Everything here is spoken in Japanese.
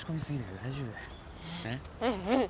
うんうん。